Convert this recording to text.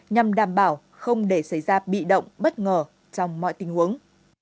nhằm đảm bảo không để xảy ra bị động bất ngờ trong mọi tình huống